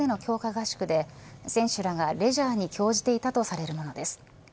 合宿で選手らがレジャーに興じていたとされるものです。